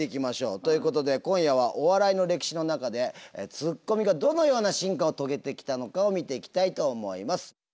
ということで今夜はお笑いの歴史の中でツッコミがどのような進化を遂げてきたのかを見ていきたいと思います。